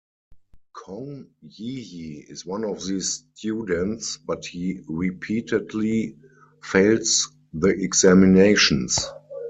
Kong Yiji is one of these students, but he repeatedly fails the examinations.